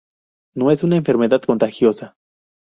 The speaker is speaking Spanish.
No es una enfermedad contagiosa.